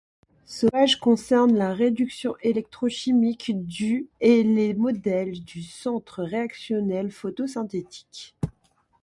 Sauvage concerne la réduction électrochimique du et les modèles du centre réactionnel photosynthétique.